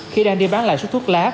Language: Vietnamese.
khi đang đi bán lại số thuốc lá